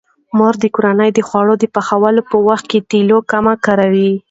مور د کورنۍ د خوړو د پخولو په وخت د تیلو کم کاروي.